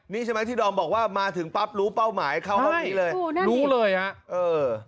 นี่ใช่ไหมที่ดอมบอกว่ามาถึงปั๊บรู้เป้าหมายเข้าห้องนี้เลยรู้เลยฮะเออ